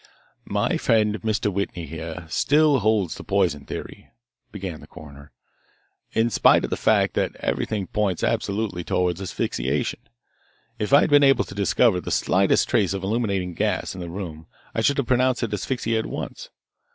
"My friend, Mr. Whitney, here, still holds the poison theory," began the coroner, "in spite of the fact that everything points absolutely toward asphyxiation. If I had been able to discover the slightest trace of illuminating gas in the room I should have pronounced it asphyxia at once.